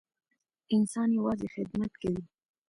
انسان یوازې خدمت کوي.